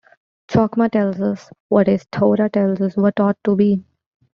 Chokhmah tells us what is; Torah tells us what ought to be.